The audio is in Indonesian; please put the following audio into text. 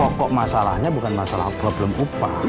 pokok masalahnya bukan masalah problem upah